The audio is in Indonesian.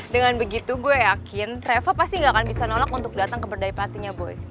dengan begitu gue yakin reva pasti gak akan bisa nolak untuk dateng ke birthday partynya boy